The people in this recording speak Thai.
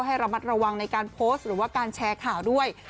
ให้ระมัดระวังในการโพสต์หรือว่าการแชร์ข่าวด้วย